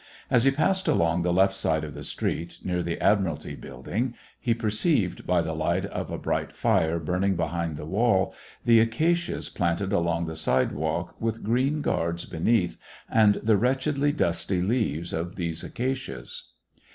As he passed along the left side of the street, near the Admiralty building, he per ceived, by the light of a bright fire burning behind the wall, the acacias planted along the sidewalk, with green guards beneath, and the wretchedly dusty leaves of these acacias.